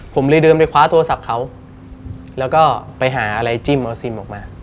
ผมเลยเดินไปคว้าโทรศัพท์เขาแล้วก็ไปหาอะไรจิ้มเอาซิมออกมา